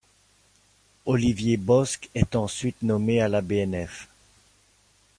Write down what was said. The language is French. Olivier Bosc est ensuite nommé à la BnF.